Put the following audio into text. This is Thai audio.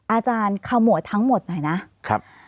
อาจารย์ขมวดทั้งหมดหน่อยนะครับ